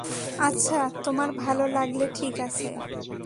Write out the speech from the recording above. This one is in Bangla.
আচ্ছা, তোমার ভালো লাগলে, ঠিক আছে।